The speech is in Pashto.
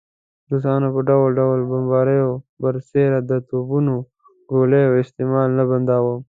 روسانو پر ډول ډول بمباریو برسېره د توپونو ګولیو استعمال نه بنداوه.